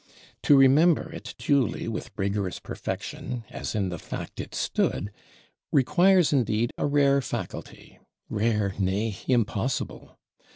To remember it duly with rigorous perfection, as in the fact it stood, requires indeed a rare faculty; rare, nay impossible.